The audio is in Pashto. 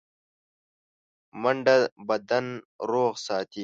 منډه بدن روغ ساتي